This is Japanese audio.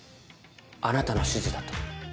あなたの指示だと。